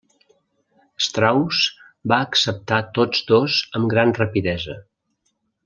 Strauss va acceptar tots dos amb gran rapidesa.